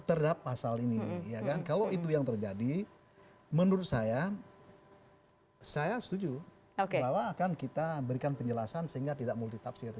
terhadap pasal ini kalau itu yang terjadi menurut saya saya setuju bahwa akan kita berikan penjelasan sehingga tidak multitafsir